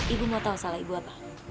ibu mau tahu salah ibu apa